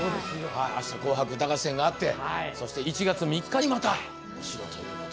明日「紅白歌合戦」があってそして１月３日にまたお城ということですから。